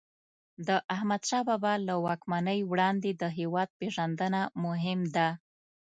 د احمدشاه بابا له واکمنۍ وړاندې د هیواد پېژندنه مهم ده.